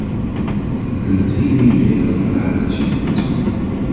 We kunnen drie dingen leren van de huidige situatie.